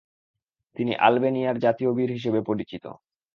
তিনি আলবেনীয়ার জাতীয় বীর হিসেবে পরিচিত।